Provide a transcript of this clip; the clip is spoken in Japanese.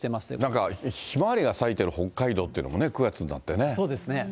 なんかひまわりが咲いてる北海道っていうのもね、９月になっそうですね。